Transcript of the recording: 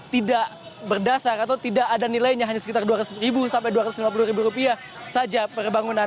tidak berdasar atau tidak ada nilainya hanya sekitar dua ratus ribu sampai dua ratus lima puluh ribu rupiah saja perbangunan